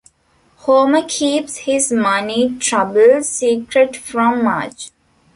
Homer keeps his money troubles secret from Marge.